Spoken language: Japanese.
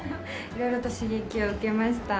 いろいろと刺激を受けました。